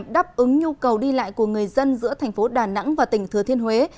đáp ứng nhu cầu đi lại của người dân giữa thành phố đà nẵng và tỉnh thừa thiên huế